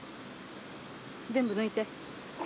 全部抜いて。